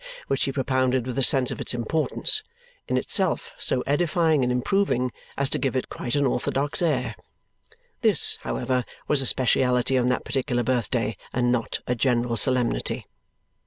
which he propounded with a sense of its importance, in itself so edifying and improving as to give it quite an orthodox air. This, however, was a speciality on that particular birthday, and not a general solemnity.